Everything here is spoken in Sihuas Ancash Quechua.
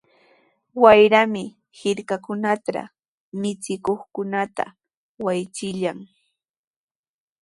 Wayrami hirkakunatraw michikuqkunata waychillan.